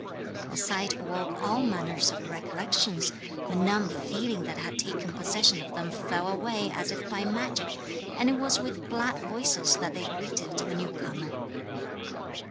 The sight awoke all manner of recollections; the numb feeling that had taken possession of them fell away as if by magic, and it was with glad voices that they greeted the new comer.